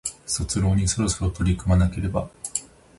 卒論にそろそろ取り組まなければ